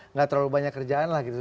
nggak terlalu banyak kerjaan lah gitu